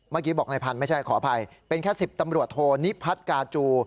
เมื่อกี้บอกนายพันธุ์ไม่ใช่ขออภัยเป็นแค่๑๐ตำรวจโทนิพัฒน์กาจู